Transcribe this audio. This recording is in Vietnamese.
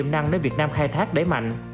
để việt nam khai thác đẩy mạnh